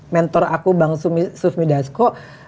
mentor aku bang sufmi dasko